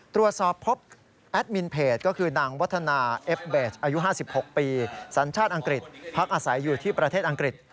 ตรวจสอบพบแอดมินเพจก็คือนางวัฒนาเอฟเบสอายุ๕๖ปีสัญชาติอังกฤษพักอาศัยอยู่ที่ประเทศอังกฤษ